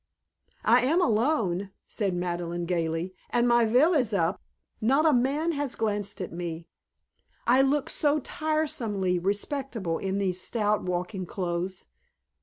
"I am alone!" said Madeleine gaily, "and my veil is up! Not a man has glanced at me, I look so tiresomely respectable in these stout walking clothes.